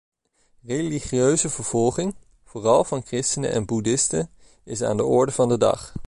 Religieuze vervolging, vooral van christenen en boeddhisten, is aan de orde van de dag.